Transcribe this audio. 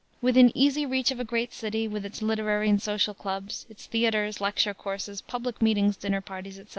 Within easy reach of a great city, with its literary and social clubs, its theaters, lecture courses, public meetings, dinner parties, etc.